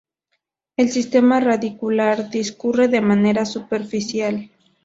El sistema radicular discurre de manera superficial.